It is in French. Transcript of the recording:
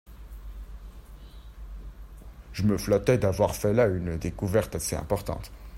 Je me flattais d’avoir fait là une découverte assez importante.